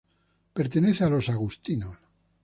Pertenece a los agustinos.